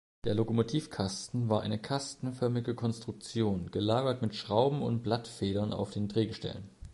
Der Lokomotivkasten war eine kastenförmige Konstruktion, gelagert mit Schrauben- und Blattfedern auf den Drehgestellen.